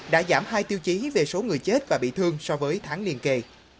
đã giảm hai tiêu chí về số người chết và bị thương so với tháng liên kỳ